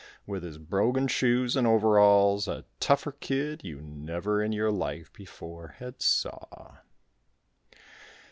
With his brogan shoes and overalls, a tougher kid You never in your life before had saw.